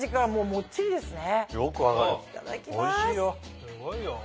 もっちりですよね。